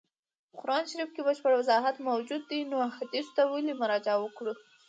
په قرآن شریف کي بشپړ وضاحت موجود دی نو احادیثو ته ولي مراجعه وکړو.